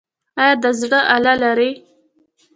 ایا د زړه آله لرئ؟